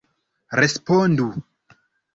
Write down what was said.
Respondu!